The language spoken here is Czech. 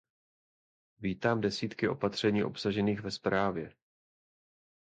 Vítám desítky opatření obsažených ve zprávě.